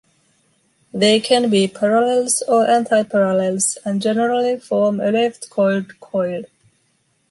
They can be parallels or anti-parallels, and generally form a left coiled coil.